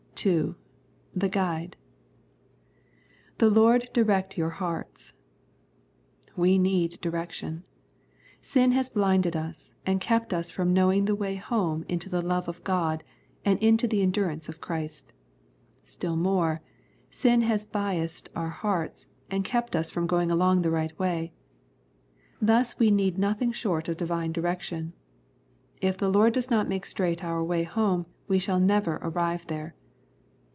2. The Guide. " 7 he Lord direct your hearts,^'* We need direction. Sin has blinded us, and kept us from knowing the way home into the love of God, and into the endurance of Christ. Still more, sin has biassed our hearts, and kept us from going along the way. Thus we need nothing short of a Divine direction. If the Lord does not make straight our way home we never shall arrive there.